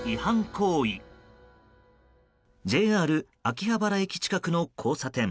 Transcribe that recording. ＪＲ秋葉原駅近くの交差点。